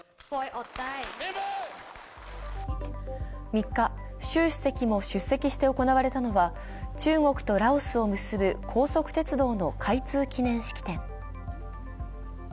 ３日、習主席も出席して行われたのは中国とラオスを結ぶ高速鉄道の開通記念式典。